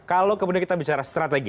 kalau kemudian kita bicara strategi